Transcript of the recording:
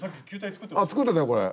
作ってたよこれ。